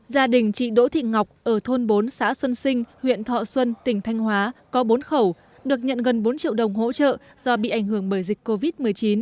gia đình chị đỗ thị ngọc ở thôn bốn xã xuân sinh huyện thọ xuân tỉnh thanh hóa có bốn khẩu được nhận gần bốn triệu đồng hỗ trợ do bị ảnh hưởng bởi dịch covid một mươi chín